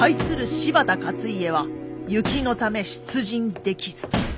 柴田勝家は雪のため出陣できず。